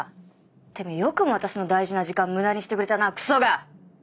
てめぇよくも私の大事な時間無駄にしてくれたなクソが！